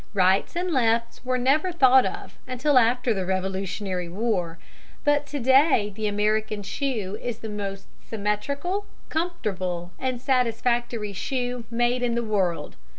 Rights and lefts were never thought of until after the Revolutionary War, but to day the American shoe is the most symmetrical, comfortable, and satisfactory shoe made in the world.